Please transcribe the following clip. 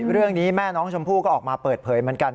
เรื่องนี้แม่น้องชมพู่ก็ออกมาเปิดเผยเหมือนกัน